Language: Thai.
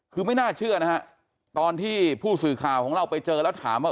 คือไม่น่าเชื่อนะฮะตอนที่ผู้สื่อข่าวของเราไปเจอแล้วถามว่า